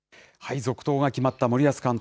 続投が決まった森保監督。